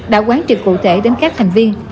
đã quán trực cụ thể đến các thành viên